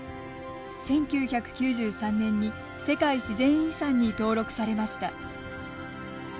１９９３年に世界自然遺産に登録されました。